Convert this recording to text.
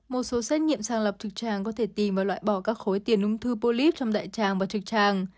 một số xét nghiệm sàng lọc trực tràng có thể tìm và loại bỏ các khối tiền ung thư polyp trong đại tràng và trực tràng